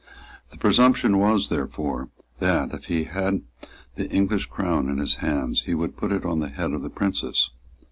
The presumption was, therefore, that, if he had the English crown in his hands, he would put in on the head of the Princess.